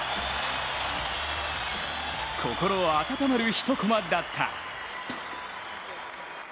心温まる一コマだった。